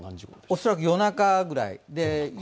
恐らく夜中ぐらい。